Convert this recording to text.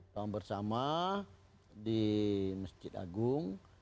doa bersama di mesjid agung